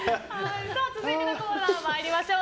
続いてのコーナー参りましょう。